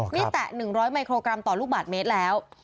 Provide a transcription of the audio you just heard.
นี่แตะ๑๐๐มิโครกรัมต่อลูกบาทเมตรแล้ว